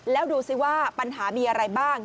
แล้วดูสิว่าปัญหามีอะไรบ้าง